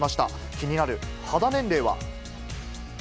気になる肌年齢は？